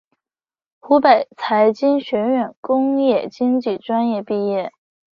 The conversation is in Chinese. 湖北财经学院工业经济专业毕业。